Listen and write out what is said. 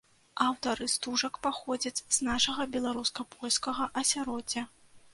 Аўтары стужак паходзяць з нашага беларуска-польскага асяроддзя.